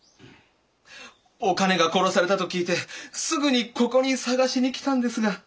お兼が殺されたと聞いてすぐにここに捜しに来たんですが。